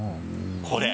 これ。